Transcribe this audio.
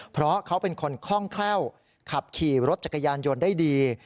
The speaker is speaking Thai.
เพราะเขาเป็นคนคล่องแคล่วขับขี่รถจักรยานยนต์ได้ดี